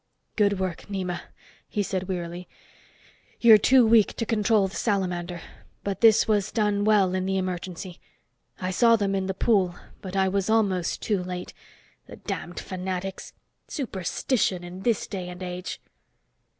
"Good work, Nema," he said wearily. "You're too weak to control the salamander, but this was done well in the emergency. I saw them in the pool, but I was almost too late. The damned fanatics. Superstition in this day and age!"